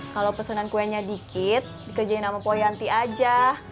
kalau pesanan kuenya dikit dikerjain sama poyanti aja